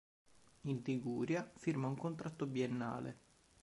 In Liguria firma un contratto biennale.